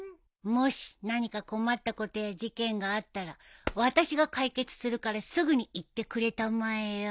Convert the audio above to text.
もし何か困ったことや事件があったら私が解決するからすぐに言ってくれたまえよ。